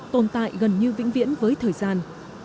tồn tại gần như vĩnh viễn với thời gian